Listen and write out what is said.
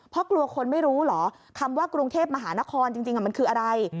เพราะกลัวคนไม่รู้เหรอคำว่ากรุงเทพมหานครจริงมันคืออะไร